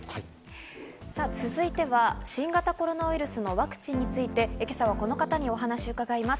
続いては新型コロナウイルスのワクチンについて今朝はこの方にお話を伺います。